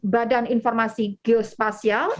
badan informasi geospasial